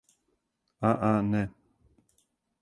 А, а, не.